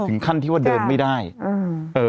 ถึงขั้นที่ว่าเดินไม่ได้อืมเอ่อ